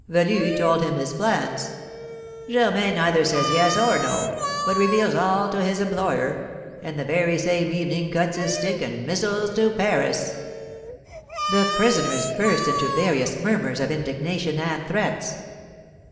Velu told him his plans; Germain neither says yes or no, but reveals all to his employer, and the very same evening cuts his stick and mizzles to Paris." The prisoners burst into various murmurs of indignation and threats.